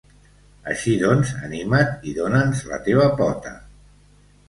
Així doncs, anima't i done'ns la teva pota.